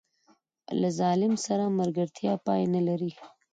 له ظالم سره ملګرتیا پای نه لري.